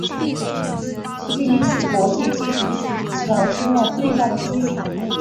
提比利斯国际机场是乔治亚最大的机场。